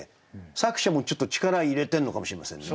作者もちょっと力入れてるのかもしれませんね。